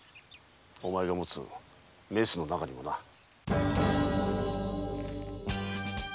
お前が持つメスの中にもな。